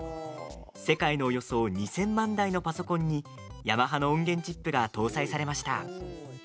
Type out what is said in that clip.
世界のおよそ２０００万台のパソコンにヤマハの音源チップが搭載されました。